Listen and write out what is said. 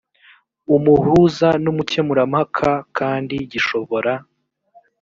umuhuza n umukemurampaka kandi gishobora